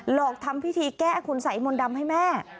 หลอกทำพิธีแก้คุณสัยมนต์ดำให้แม่